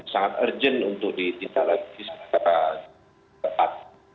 sangat urgent untuk ditindak lagi secara tepat